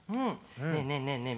ねえねえねえねえ